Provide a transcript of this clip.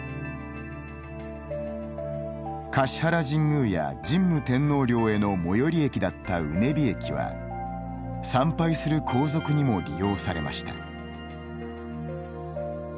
橿原神宮や神武天皇陵への最寄り駅だった畝傍駅は参拝する皇族にも利用されました。